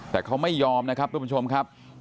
แต่เขาไม่ยอมนะครับทุกผู้ชมครับ